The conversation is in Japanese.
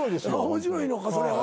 面白いのかそれは。